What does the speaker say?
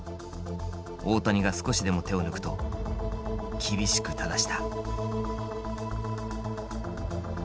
大谷が少しでも手を抜くと厳しく正した。